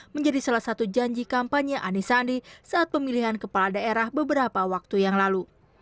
menjadi salah satu janji kampanye anies sandi saat pemilihan kepala daerah beberapa waktu yang lalu